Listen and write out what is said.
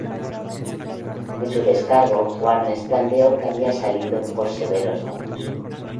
En su descargo Warnes planteó que había salido por severos daños.